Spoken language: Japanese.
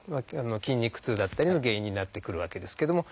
筋肉痛だったりの原因になってくるわけですけども。